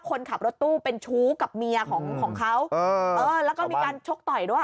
คนขับรถตู้เป็นชู้กับเมียของของเขาแล้วก็มีการชกต่อยด้วย